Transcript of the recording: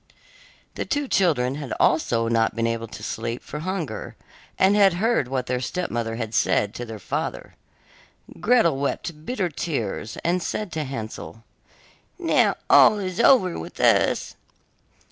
The two children had also not been able to sleep for hunger, and had heard what their stepmother had said to their father. Gretel wept bitter tears, and said to Hansel: 'Now all is over with us.